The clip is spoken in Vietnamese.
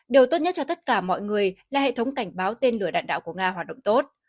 điều tốt nhất cho tất cả mọi người là hệ thống cảnh báo tên lửa đạn đạo của nga hoạt động tốt